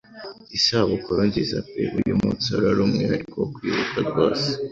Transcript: Isabukuru nziza pe uyu munsi uhore ari umwihariko wo kwibuka rwose